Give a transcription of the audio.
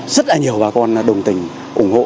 rất là nhiều bà con đồng tình ủng hộ